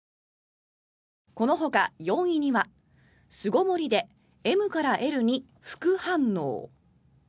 このほか、４位には「巣ごもりでＭからＬに服反応」。